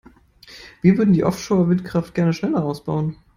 Wir würden die Offshore-Windkraft gerne schneller ausbauen.